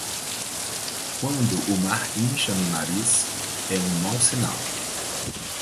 Quando o mar incha no nariz, é um mau sinal.